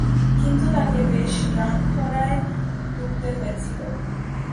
কিন্তু তাকে বেশ রান খরায় ভুগতে হয়েছিল।